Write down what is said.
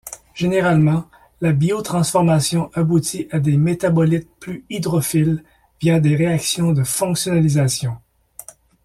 Généralement, la biotransformation aboutit à des métabolites plus hydrophiles via des réactions de fonctionnalisation.